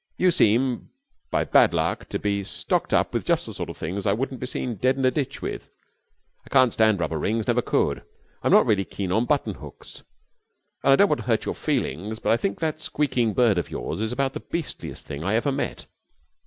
You seem by bad luck to be stocked up with just the sort of things I wouldn't be seen dead in a ditch with. I can't stand rubber rings, never could. I'm not really keen on buttonhooks. And I don't want to hurt your feelings, but I think that squeaking bird of yours is about the beastliest thing I ever met.